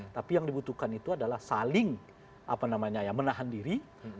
tapi yang dibutuhkan itu adalah saling menahan diri